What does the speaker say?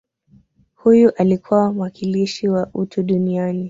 Huyu alikuwa mwakilishi wa utu duniani